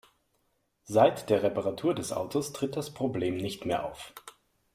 Seit der Reparatur des Autos tritt das Problem nicht mehr auf.